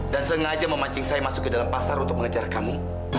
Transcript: dan sengaja memancing saya masuk ke dalam pasar untuk mengejar kamu